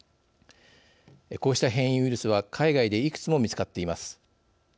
こうした変異ウイルスは海外でいくつも見つかっています。